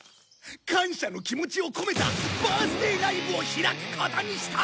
感謝の気持ちを込めたバースデーライブを開くことにした！